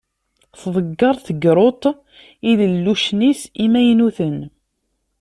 Tḍegger tegrudt ilellucen-is imaynuten.